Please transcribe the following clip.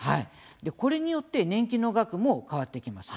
これによって、年金の額も変わってきます。